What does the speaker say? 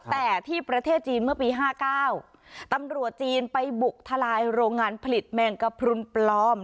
แต่ที่ประเทศจีนเมื่อปี๕๙ตำรวจจีนไปบุกทลายโรงงานผลิตแมงกระพรุนปลอม